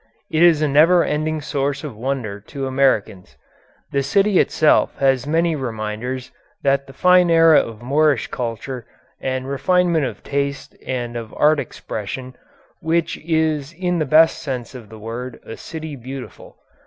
It is a never ending source of wonder to Americans. The city itself has many reminders of that fine era of Moorish culture and refinement of taste and of art expression, which made it in the best sense of the word a city beautiful.